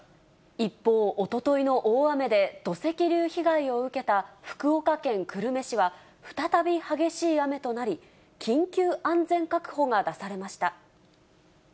一方、おとといの大雨で土石流被害を受けた福岡県久留米市は、再び激しい雨となり、緊急安全確保が出されました。